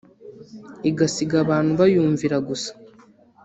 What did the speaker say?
igasiga abantu bayumvira gusa